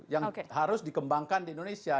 yang harus dikembangkan di indonesia